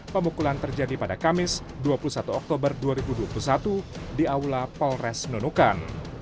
pemukulan terjadi pada kamis dua puluh satu oktober dua ribu dua puluh satu di aula polres nunukan